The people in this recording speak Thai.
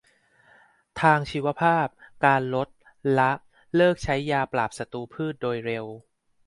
ทางชีวภาพ การลด ละ เลิกใช้ยาปราบศัตรูพืชโดยเร็ว